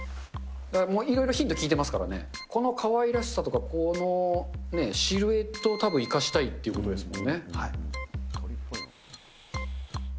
いろいろヒント聞いてますからね、このかわいらしさとか、このシルエットをたぶん生かしたいということですもんね。